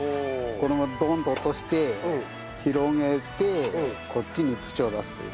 このままドンと落として広げてこっちに土を出すという。